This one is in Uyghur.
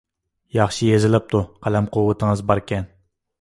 ياخشى يېزىلىپتۇ، قەلەم قۇۋۋىتىڭىز باركەن.